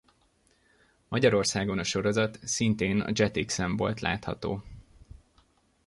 Magyarországon a sorozat szintén a Jetix-en volt látható.